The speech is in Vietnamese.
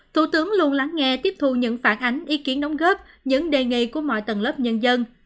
thủ tướng luôn lắng nghe tiếp thu những phản ánh ý kiến đóng góp những đề nghị của mọi tầng lớp nhân dân